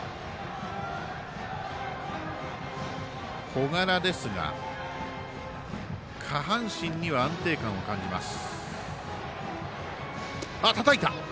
小柄ですが、下半身には安定感を感じます。